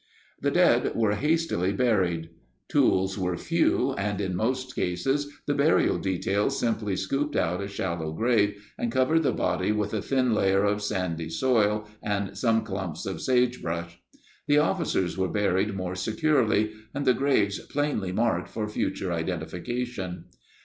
The dead were hastily buried. Tools were few, and in most cases the burial details simply scooped out a shallow grave and covered the body with a thin layer of sandy soil and some clumps of sagebrush. The officers were buried more securely and the graves plainly marked for future identification.